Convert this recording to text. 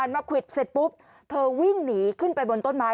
มาควิดเสร็จปุ๊บเธอวิ่งหนีขึ้นไปบนต้นไม้